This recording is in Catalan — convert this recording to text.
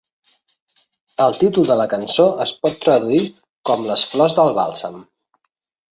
El títol de la cançó es pot traduir com "les flors del bàlsam".